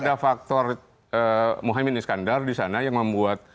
ada faktor muhammad iskandar disana yang membuat